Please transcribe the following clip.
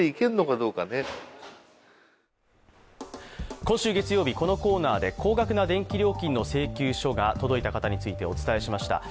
今週月曜日、このコーナーで高額な電気料金の請求書が届いた方についてお伝えしました。